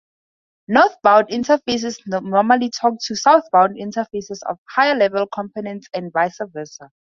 Northbound interfaces normally talk to southbound interfaces of higher level components and vice versa.